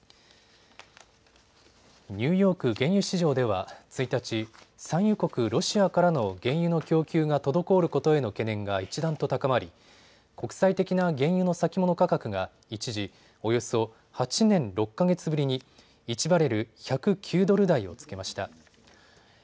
ニューヨーク原油市場では１日、産油国ロシアからの原油の供給が滞ることへの懸念が一段と高まり国際的な原油の先物価格が一時、およそ８年６か月ぶりに１バレル１０９ドル台をつけました。